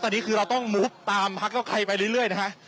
ตอนนี้คือเราต้องตามไปเรื่อยนะฮะ